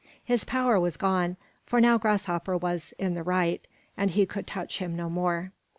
His power was gone, for now Grasshopper was in the right, and he could touch him no more.